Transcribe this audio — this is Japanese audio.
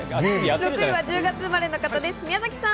６位は１０月生まれの方です、宮崎さん。